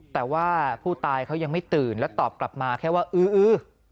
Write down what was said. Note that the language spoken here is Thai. แต่ว่าผู้ตายเขายังไม่ตื่นและตอบกลับมาแค่ว่าอื้อ